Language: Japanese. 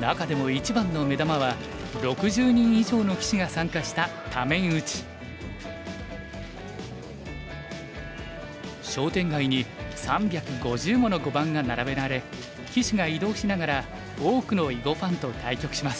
中でも一番の目玉は商店街に３５０もの碁盤が並べられ棋士が移動しながら多くの囲碁ファンと対局します。